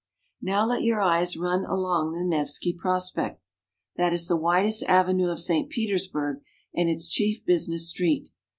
Now let your eyes run along the Nevski Prospekt. That is the widest avenue of St. Petersburg, and its chief business street.